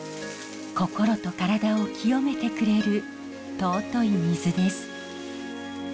心と体を浄めてくれる尊い水です。